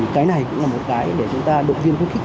cái này cũng là một cái để chúng ta động viên khuyến khích